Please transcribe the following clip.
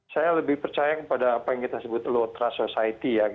saya lebih percaya kepada apa yang kita sebut low trust society ya